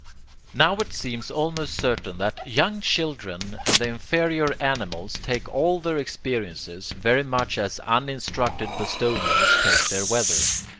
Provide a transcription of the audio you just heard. Now it seems almost certain that young children and the inferior animals take all their experiences very much as uninstructed Bostonians take their weather.